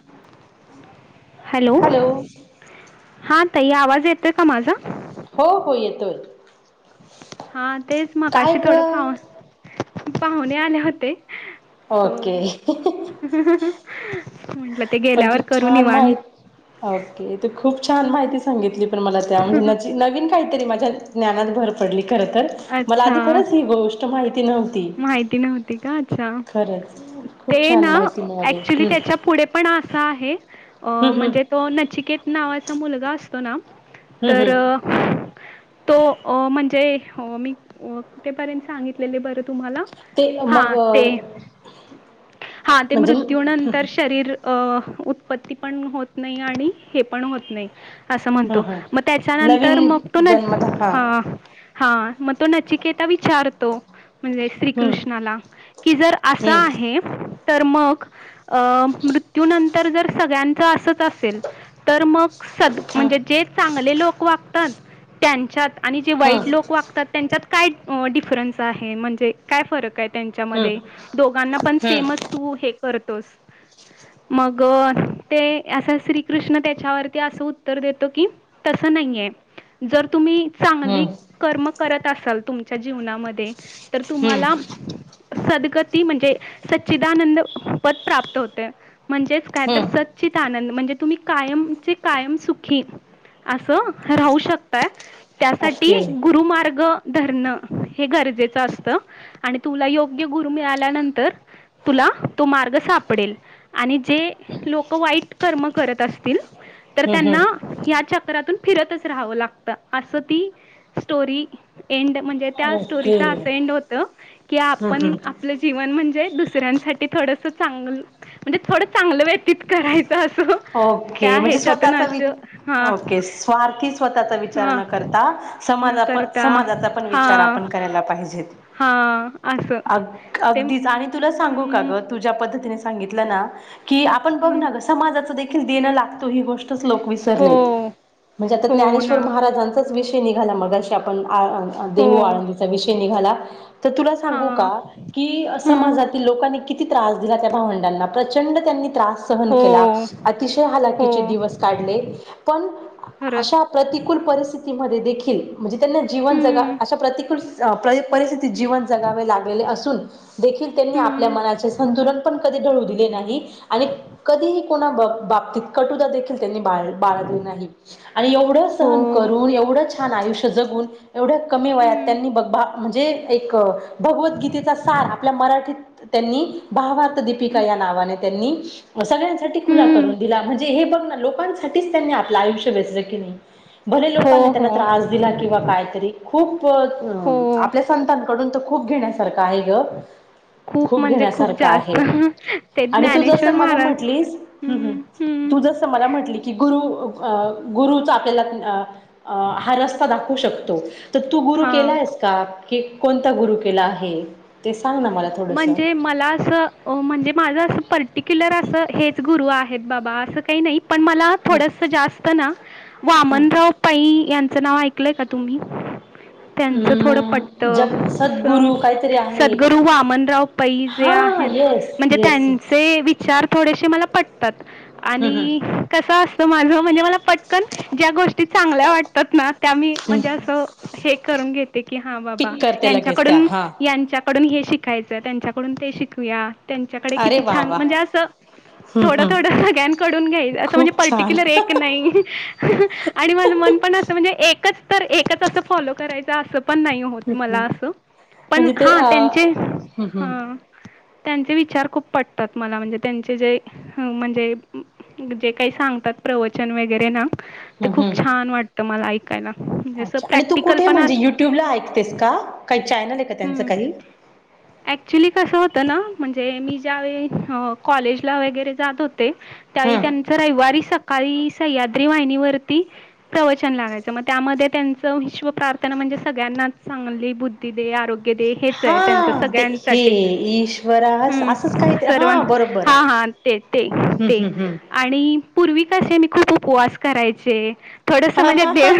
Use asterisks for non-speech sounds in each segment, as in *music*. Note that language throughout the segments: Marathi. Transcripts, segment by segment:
*inaudible* हॅलो, हा ताई आवाज येतोय का माझा? हो, हो येतोय. हा तेच काय मकाशी ग थोड पाह पाहुणे आले होते सो ओके म्हटलं ते पण तू गेल्यावर करु नि छान वान माहित ओके त खूप छान माहिती सांगितली पण मला त्या म्हणजे नन काहीतरी माझ्या जनात भर पडली खर मला अच्छा आधी ख ही गोष्ट माहिती नव माहिती नव्हती का अच्छा खरंच खूप ते छान ना माहिती मिळाली ऍक्च्युली हम्म त्याच्या पुढे पण असा आहे हम्म म्हणजे हम्म तो नचिकेत नावाचा मुलगा असतो ना हम्म तर हम्म. तो म्हणजे मीठपर्यंत सांगितलेले बर तुम्हाला ते हा मग ते हा ते म्हणजे हम्म मृत्यूनंतर शरीर अ उत्पत्ती पण होत नाही आणि हे पण होत नाही असं म्हणतो हम्म मग त्याच्यानंतर मग तो नवीन ना जन्मदा हा हा मग तो नचिकेता विचारतो म्हणजे हम्म श्रीकृष्णाला की जर असं हम्म आहे तर मग अं मृत्यूनंतर जर सगळ्यांच असच असेल तर मग सद म्हणजे हम्म जे चांगले लोक वागतात त्यांच्यात आणि जे हम्म वाईट लोक वागतात त्यांच्यात काय डिफरन्स आहे म्हणजे काय फरक आहे हम्म त्यांच्यामध्ये दोघांना पण हम्म सेमच तू हे करतोस मग ते असं श्रीकृष्ण त्याच्यावरती असं उत्तर देतो की तसं नाहीये जर तुम्ही चांगली हम्म कर्म करत असाल तुमच्या जीवनामध्ये तर हम्म तुम्हाला सद्गती म्हणजे सच्चिदानंद पद प्राप्त होते म्हणजेच काय तर हम्म स चित आनंद म्हणजे तुम्ही कायमचे कायम सुखी असं राहू शकता त्यासाठी ओके हम्म गुरुमार्ग धरण हे गरजेच त आणि तुला योग्य गुरु मिळाल्यानंतर तुला तो मार्ग सापडेल आणि जे लोक वाईट कर्म करत असतील तर त्यांना हम्म या चक्रातून फिरतच राहावं लागत अस ती स्टोरी एंड म्हण त्या सोरी ओके होत की आप हम्म हम्म आप जीवन म्हणजे दुसऱ्यांसाठी थोडस चांगल म्हणजे थोडं चांगलं व्यतीत करायचं असं त्या ओके म्हणजे ह्याच्यातून स्वतःचा वि असं हां ओके स्वार्थी स्वतःचा हा विचार न करता न समाजापण करता समाजाचा पण हा विचार आपण करायला पाहिजे. हा असं अ ते अगदीच आणि तुला सांगू का हम्म ग तुझ्या पद्धतीने सांगितलं ना की आपण बघ हम्म ना समाजाच देण लागतो ही गोष्ट. लोक हो विसरलेत म्हणजे आता हो ज्ञानेश्वर ना महाराजांचाच विषय निघाला मगाशी आपण हो देहू आळंदीचा विषय निघाला तर तुला हा सांगू का कि हम्म समाजातील लोकांनी किती त्रास दिला त्या भावंडांना प्रचंड त्यांनी त्रास सहन हो केला. अतिशय हो हलाकीचे दिवस काढले पण खरंच अशा प्रतिकूल परिस्थितीमध्ये देखील म्हणजे त्यांना जीवन जगा हम्म अशा प्रतिकूल पर परिस्थितीत जीवन जगावे लागलेले असून देखील त्यांनी आपल्या हम्म मनाचे संतुलन पण कधी ढळू दिले नाही आणि कधीही कोणा बाबतीत कटुदा देखील त्यांनी बा बाळगले नाही आणि एवढं हो सहन करून एवढं छान आयुष्य जगून एवढ्या कमी वयात हम्म त्यांनी बग म्हणजे एक भगवत गीतेचा सार आपल्या मराठीत त्यांनी भावार्थ दीपिका या नावाने त्यांनी सगळ्यांसाठी खुला हम्म करून दिला म्हणजे हे बघ ना लोकांसाठीच त्यांनी आपलं आयुष्य व्यस्त केले. भले हो लोकांनी हो त्यांना त्रास दिला किंवा काहीतरी खूप हो आपल्या संतांकडून खूप घेण्या सारखं आहे गं खूप म्हणजे खूप जास्त ते आणि तू जसं ज्ञानेश्वर मला महाराज म्हटलीस हं हं हम् हम्म तू जसं मला म्हटली की गुरु अ गुरुचा आपल्याला अ अ हा रस्ता दाखवू शकतो तर तू गुरु हा केलायस का? क कोणता गुरु केला आहे ते सांग ना मला. थोडंसं म्हणजे मला असं म्हणजे माझं असं पर्टिक्युलर असं हेच गुरु आहेत बाबा असं काही नाही पण मला हं थोडस जास्त ना हं वामनराव पै यांचं नाव ऐकलंय का तुम्ही? त्यांच थोडं म जग पटतं. सद्गुरू काहीतरी आहे एक सद्गुरू वाम- -नराव पै जे हा आहेत येस म्हणजे येस त्यांच येस ते विचार थोडेसे मला पटतात हं हं आणि कसं असतं माझं म्हणजे मला पटकन ज्या गोष्टी चांगल्या वाटतात ना त्या मी हं म्हणजे असं हे करून घेते की हा बाबा पिक करते लगेच त्या यांच्याकडून हा यांच्या कडून हे शिकायचं त्यांच्याकडून ते शिकूया त्यांच्याकडे अरे किती वा छान वा म्हणजे असं हं थोडं हं थोडं सगळ्यांकडून घ्यायच असं म्हणजे खूप छान पर्टिक्युलर हं एक नाही आणि माझ मन पण अस म्हणजे एकच तर एकच अस फॉलो करायच असं पण नाही. होत हं मला अस पण म्हणजे ते हा अ त्यांचे हं हं हा त्यांचे विचार खूप पटतात मला म्हणजे त्यांचे जे म्हणजे जे काही सांगतात प्रवचन वगैरे ना ते हं खूप हं छान वाटतं मला ऐ- -काला म्हणजे असं अच्छा आणि तू प्रॅक्टिकल कुठे पण म्हणजे अस युट्यूबला ऐकतेस का काही चॅनल आहे का त्यांचं हम् काही ॲक्च्युली कसं होतं ना म्हणजे मी ज्यावेळी कॉलेजला वगैरे जात होत त्यावेळी हम्म त्यांचा रविवारी सकाळी सह्याद्री वाहिनीवरती प्रवचन लागायचं मग त्यामध्ये त्यांचं विश्व प्रार्थना म्हणजे सगळ्यांनाच चांगली बुद्धी दे, आरोग्य दे हेच आहे त्यांच हा ते हे सगळ्यांसाठी ईश्वरा असंच काही हम्म ते सर्वां हा बरोबर हा हा ते ते हम्म ते हम्म आणि पूर्वी कसे मी खूप उपवास करायचे थोडस म्हणजे हम्म देव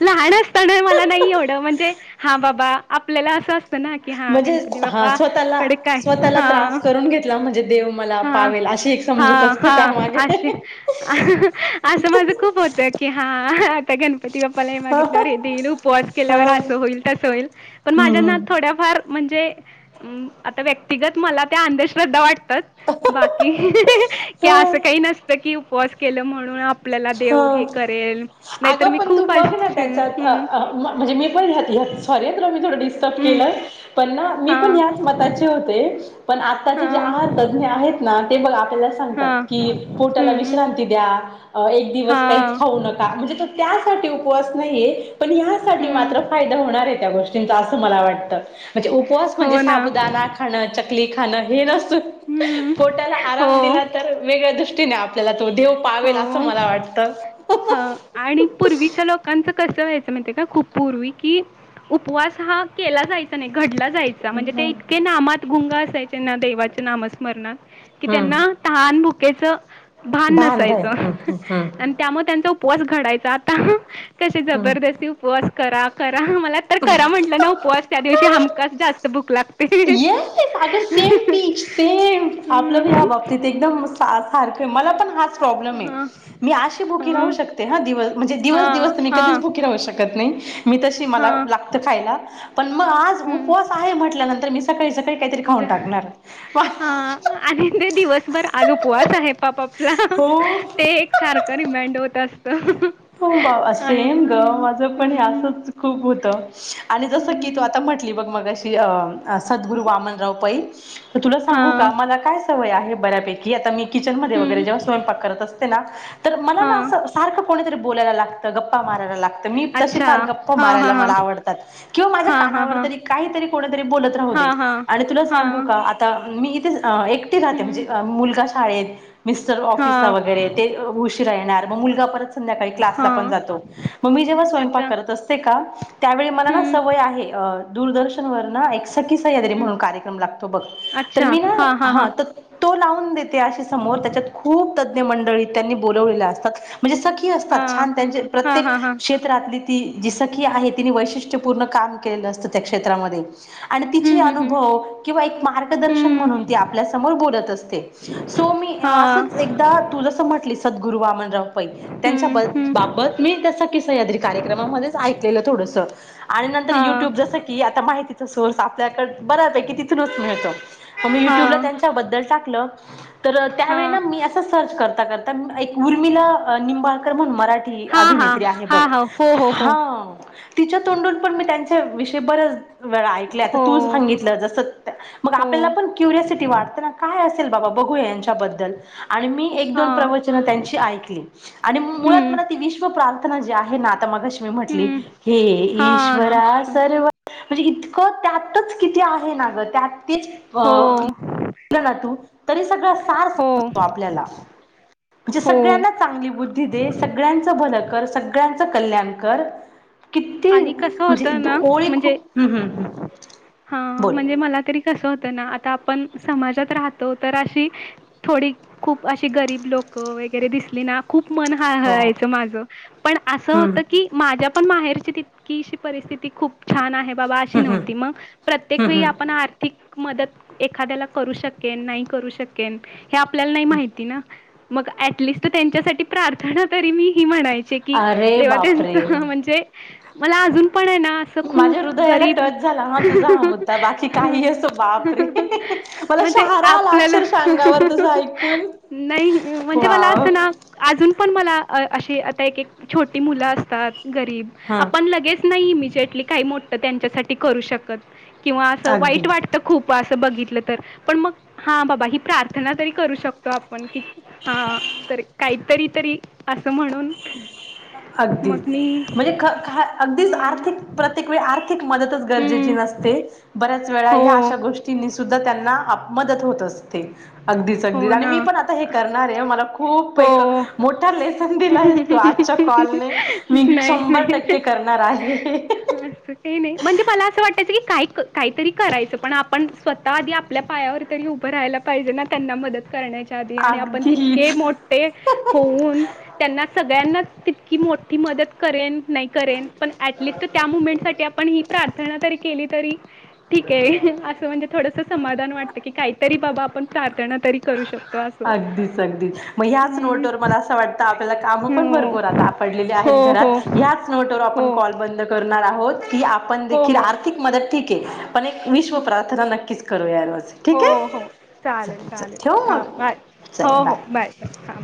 लहान असताना मला नाही एवढं म्हणजे हा बाबा आपल्याला असं असतं ना की हा म्हणजे गणपती हा बापा स्वतःला कडे काय स्वतःला हा त्रास करून घेतला म्हणजे देव मला हा पावेल अशी एक हा समजूत असते हा त्यामागे अशी असं माझ खूप होत की हा आता गणपती बाप्पालाही हा मागितलंवरे देनूप पॉस हा केल्यावर असं होईल तसं होईल पण माझ्यांना हम्म थोड्याफार म्हणजे आता व्यक्तिगत मला त्या अंधश्रद्धा वाटतात बाकी कि हा असं काही नसतं की उपवास केलं म्हणून आपल्याला देव हे हा करेल नाहीतर अगं मी पण तू खूप बघ ना अशी त्याच्यात हम्म म्हणजे मीण सॉरीत मी थोडं डिस्टर्ब हम्म केलं पण ना मी हा पण ह्याच मता पण आताचे हा जे आहार तज्ञ आहेत ना ते ब हा गात पोटला हम्म विश्रांती द्या हा दिवस काही खाऊ न म्हणजे तो त्यासाठी उपवास नाहीे पण यासाठी मात्र हम्म फायदा होणार आहे त्या गोष्टी असं मला वाटतं म्हणजे उपवास म्हणजे हो ना साबुदाना खाणं चकली खाणं हे नस हम्म पोटाला हो आराम दिला तर वेगळ्या दृष्टीने आपल्याला तो देव पावेल असं हो मला वाटत ह आणि पूर्वीच्या लोकांच कसं व्हायचं माहितेय का खूप पूर्वी की उपवास हा केला जायचा नाही घडला जाय म्हणजे ते हम्म इतके नामात गुंग असायचेना देवाचे नामस्मरणात कि त्यांना हम्म तहान भुक्याच भान भांडय नसायचं हम्म हम्म हम्म आणि त्यामुळे त्यांचा उपवास घडायचा आता तसे हम्म. जबरदस्ती उपवास करा करा मला तर करा म्हटलं ना उपवास त्या दिवशी आमकाच जास्त भूक लागते येस ते अगं सेम पीच सेम आपलं ह्या हम्म बाबतीत एक एकदम सारखं आहे मला पण हाच प्रॉब्लेम आहे हा मी अशी भुकीी हा राहू शकते हा दिवस म्हणजे दिवस हा दिवस मी हा कधीच भुखी राहू शकत नाही मी तशी मला हा लागतं खायला पण मग आज उपवास हम्म आहे म्हटल्यानंतर मी सकाळीचं काही काहीतरी खाऊन टाकणार आणिध ते दिवसभर आज उपवास आहे पापला हो ते एक सारखं करी मेडवत असत हो बाबा असेम ग हम्म माझं हम्म पणच खूप होतं आणि जस क आता म्हटली ब म अ सद्गुरु वामनराव पैल तुला हा सांगू का मला काय य बऱ्यापै आता मी किचन म वरे जेव्हा हम्म स्वयंक करत असते ना तर मला हा सारखं कोणीतरी बोलायला लागतं गप्पा मारायला लागतं मी तसे अच्छा फार गप्पा हा हा मारायला मला आवडतात किंवा माझ्या हा हा कानावर हा हा तरी काहीतरी कोणीतरी बोलत राह हा दे हा आणि तुला हा सांगू का मी इथे एकटे राहते म्हणजे हम्म मुलगा शाळेत मिस्टर हा ऑफिसला वगैरे ते उशीरा येणार मग मुलगा परत संध्याकाळी क्लास हा पण जातो मग मी जेव्हा स्वयंक अच्छा करत असते का त्यावेळी मला ना हम्म सवय आहे दूरदर्शन व ना एक सखी सह्याद्री हम्म म्हणून कार्यक्रम लागतो बघ तर मी ना हा तर तो लावून देते अशी समोर त्याच्यात खूप तज्ज्ञ मंडळी त्यांनी बवले असतात म्हणजे सखी हा असतात छान त्यांचे हा प्रत्येक हा हा केत ््रातली ती जी सखी आहे तिने वैशिष्ट्यपूर्ण काम केलेलं असतं त्या क्षेत्रामध्ये आणि तिचे हम्म हम्म अनुभव किंवा एक मार्गदर्शन हम्म म्हणून हम्म ती आपल्यासमोर बोलत असते सो मी हा असंच एकदा तू जसं म्हटली सद्गुरु वामनराव पई हम्म त्यांच्याबद् हम्म बाबत मी त्यास की सह्याद्री कार्यक्रमामध्येच ऐकलेलं थोडसं आणि नंतर हा युट्यूब जसं की आता माहितीचा सोर्स आपल्याकडे बऱ्यापैकी तिथूनच मिळतो मी युट्यूबला हा त्यांच्याबद्दल टाकलं तर हा त्यावेळी मी अस सर्च कर कर एक उर्मिला निंबाळकर म्हणून मराठी हा हा अभिनेत्री आहे बघ हा हा हो हो हो हा तिच्या तोंडून पण मी त्यांच्या विषयी बरच वेळा ऐक हो तू सांगितलं ज सत मग हो आपल्याला पण वा काय असेल बघूच्या एक हा प्रव त्यां ऐकली आणि मु हम्म म त विश्व प्रार्थना जी आहे नातामाघश्मी म्हंटली हम्म हे हा ईश्वरा ईश्वर. सर्व म्हणजे इतकं त्यातच किती आहे ना ग त्यात तेच हो अ ना तू तरी सगळ सार हो सजतो म्हणे हो सगळ्यांना चांगली बुद् दे सगळ्यांचं भलं कर सगळ्यांचं कल्याण कर किती आणि कसं म्हणजे होतं ना ओर एक खूप हम्म हम्म हम् हा म्हणजे मला तरी कस होतं ना आता आपण समाजात राहतो तर अशी थोडी खूप अशी गरीब लोकं वगैरे दिसली ना खूप मन ह हो हयचं हम्म माझ पण असं होतं की माझ्या पण बाहेरची तितकीशी परिस्थिती खूप छान आहे बाबा अशी हम्म हम्म नव्हती मग प्रत्येक हम्म वेळी हम्म आपण आर्थिक मदत एखाद्याला करू शकेन नाही करू शकेन हे आपल्याला नाही माहिती ना मग ऍटलिस्ट त्यांच्यासाठी प्रार्थना तरी मी ह म्हणायचे कि अरे देवात्यांच बापरे म्हणजे मला अजून पण आहे ना असं माझ्या खूप हृदयाला गरीब टच झाला हा तुझा हा मुद्दा बाकी काही असो बापरे मला म्हणजे शहारा आला आपल्याला अक्षरशः अंगावर तुझं ऐकून नाही म्हणजे मला वाव असं ना अजून पण मला अशी आता एक छोटी मुलं असतात गरीब हा आपण लगेच का त्यांच्याू शकत किंवा अस वाईट अगदी वा तर खूप असं बघितलं तर पण मग हा बाबा ही प्रार्थना तरी करू शकतो आपण की हा तर काहीतरी तरी असं म्हणून मग अगदीच मी म्हणजे ख अगदीच आर्थिक हम्म प्रत्येक वेळी आर्थिक मदतच गरजेची नसते बऱ्याच वेळा हो ह्या अशा गोष्टी सुद्धा त्यांना मदत होत असते अगदीच हो अगदीच आणि ना मी पण आता हे करणार आहे मला खूप एक हो मोठा लेसन दिलाय आजच्या कॉलने मी नाही, शंभर टक्के करणार आहे हा अस हे नाही म्हणजे मला असं वाटायचं की काही काहीतरी करायचं पण आपण स्वतः आधी आपल्या पायावर तरी उभं राहायला पाहिजे ना त्यांना मदत करण्याच्या आधी आणि आपण तितके अगदीच मोठे होऊन त्यांना सगळ्यांनाच तितकी मोठी मदत करेन नाही करेन पण टलिस्ट त्या मुमेंट साठी आपण ही प्रार्थना जरी केली तरी ठीक आहे असं म्हणजे थोडस समाधान वाटतं की काहीतरी बाबा आपण प्रार्थना तरी करू शकतो असं. अगदीच अगदीच मग ह्याच हम्म नोटवर मला असं वाटतं आपल्याला काम पण हो. भरपूर आ ड हो, आहेत हो, घरात याच नवटवर आपण हो. कॉल बंद आहोत की आपण हो देखील हो आर्थिक मदत ठीक आहे पण एक विश्व हम्म. प्रार्थना नक्कीच करू या रोज हो ठीक आहे हो च चालेल चल चालेल ठेव हां मग बाय हो हो बाय हां